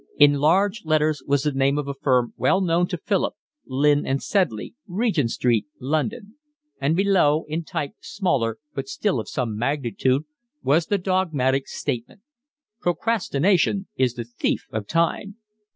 In large letters was the name of a firm well known to Philip, Lynn and Sedley, Regent Street, London; and below, in type smaller but still of some magnitude, was the dogmatic statement: Procrastination is the Thief of Time.